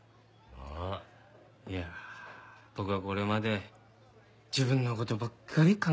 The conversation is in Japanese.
いや僕はこれまで自分の事ばっかり考えてました。